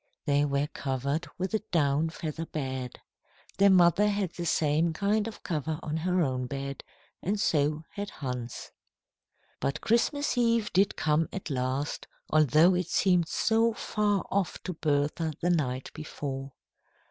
They were covered with a down feather bed. Their mother had the same kind of cover on her own bed, and so had Hans. But Christmas Eve did come at last, although it seemed so far off to Bertha the night before.